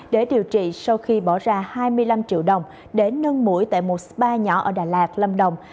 để điều trị sau khi bỏ ra hai mươi năm triệu đồng để nâng mũi tại một spa nhỏ ở đà lạt lâm đồng